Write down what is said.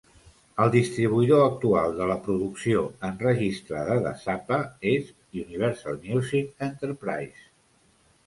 El distribuïdor actual de la producció enregistrada de Zappa és Universal Music Enterprises.